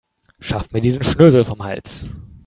Schafft mir diesen Schnösel vom Hals.